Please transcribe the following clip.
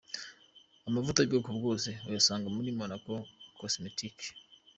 Amavuta y'ubwoko bwose uyasanga muri Monaco Cosmetics.